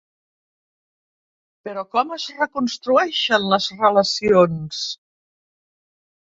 Però com es reconstrueixen les relacions?